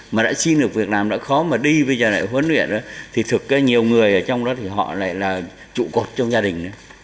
mà đã xin được việc làm đã khó mà đi bây giờ lại huấn luyện đó thì thực nhiều người ở trong đó thì họ lại là trụ cột trong gia đình nữa